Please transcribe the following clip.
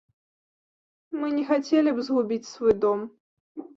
Мы не хацелі б згубіць свой дом.